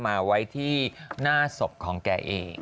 มาไว้ที่หน้าศพของแกเอง